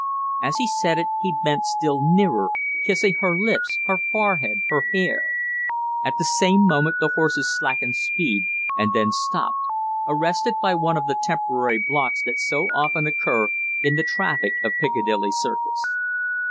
As he said it he bent still nearer, kissing her lips, her forehead, her hair. At the same moment the horses slackened speed and then stopped, arrested by one of the temporary blocks that so often occur in the traffic of Piccadilly Circus.